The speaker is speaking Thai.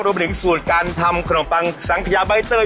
รวมไปถึงสูตรการทำขนมปังสังพยาใบเตย